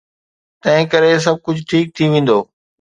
تنهنڪري سڀ ڪجهه ٺيڪ ٿي ويندو.